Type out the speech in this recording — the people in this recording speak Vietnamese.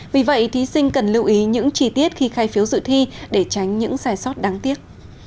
vì vậy thí sinh cần lưu ý những chi tiết khi khai phiếu dự thi để tránh những sai sót đáng tiếc